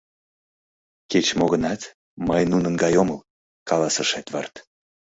— Кеч-мо гынат, мый нунын гай омыл, — каласыш Эдвард.